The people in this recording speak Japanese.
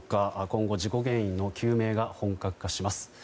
今後、事故原因の究明が本格化します。